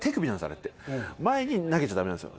あれって前に投げちゃダメなんすよ。